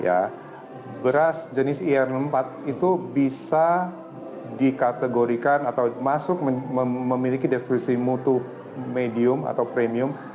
ya beras jenis ir empat itu bisa dikategorikan atau masuk memiliki defisi mutu medium atau premium